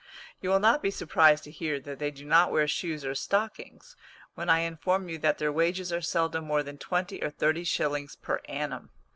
You will not be surprised to hear that they do not wear shoes or stockings, when I inform you that their wages are seldom more than twenty or thirty shillings per annum.